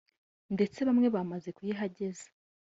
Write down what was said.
ndetse bamwe bamaze kuyihageza